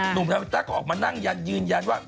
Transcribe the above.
หนุ่มนาวินต้าก็ออกมานั่งยันยืนยันว่า